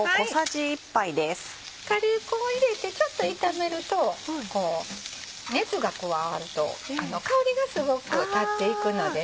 カレー粉を入れてちょっと炒めると熱が加わると香りがすごく立っていくのでね